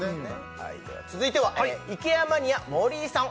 続いてはイケアマニア森井さん